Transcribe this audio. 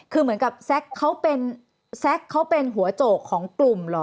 คือเหมือนกับแซ็กเขาเป็นหัวโจกของกลุ่มเหรอ